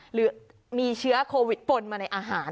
หรือมีเชื้อโควิดปนมาในอาหาร